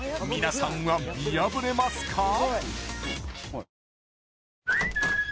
皆さんは見破れますか？